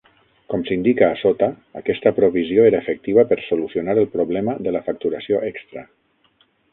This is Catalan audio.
Com s'indica a sota, aquesta provisió era efectiva per "solucionar" el problema de la facturació extra.